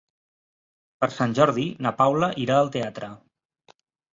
Per Sant Jordi na Paula irà al teatre.